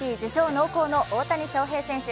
濃厚の大谷選手。